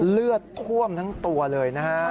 เลือดท่วมทั้งตัวเลยนะฮะ